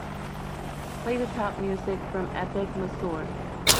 Play the top music from Epic Mazur.